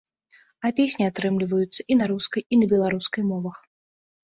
А песні атрымліваюцца і на рускай, і на беларускай мовах.